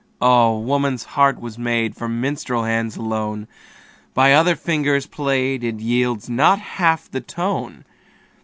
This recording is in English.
Oh! woman's heart was made For minstrel hands alone; By other fingers played, It yields not half the tone.